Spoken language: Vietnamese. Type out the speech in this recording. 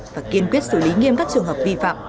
và kiên quyết xử lý nghiêm các trường hợp vi phạm